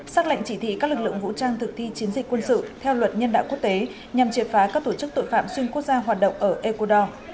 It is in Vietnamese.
xác lệnh chỉ thị các lực lượng vũ trang thực thi chiến dịch quân sự theo luật nhân đạo quốc tế nhằm triệt phá các tổ chức tội phạm xuyên quốc gia hoạt động ở ecuador